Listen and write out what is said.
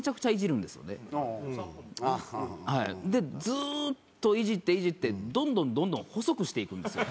ずーっとイジってイジってどんどんどんどん細くしていくんですよ。